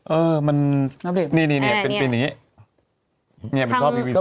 เออมันนี่เป็นปีนี้นี่เป็นข้อบีวิจีย์